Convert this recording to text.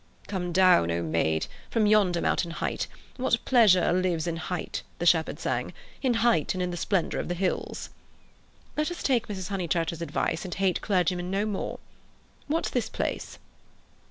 "'Come down, O maid, from yonder mountain height, What pleasure lives in height (the shepherd sang). In height and in the splendour of the hills?' Let us take Mrs. Honeychurch's advice and hate clergymen no more. What's this place?"